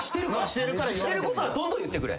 してることはどんどん言ってくれ。